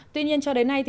tuy nhiên cho đến nay